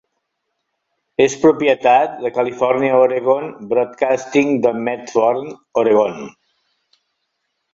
És propietat de California Oregon Broadcasting de Medford, Oregon.